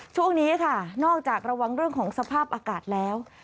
ช่วงนี้ค่ะนอกจากระวังเรื่องของสภาพอากาศแล้ว